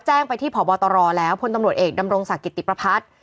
แจ้งไปที่พบตรแล้วพลตำรวจเอกดำรงศักดิ์กิติประพัฒน์